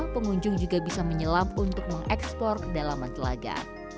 pengunjung juga bisa menyelam untuk mengeksplor ke dalam antelaga